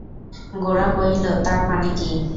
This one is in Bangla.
গোরা কহিল, তার মানে কী?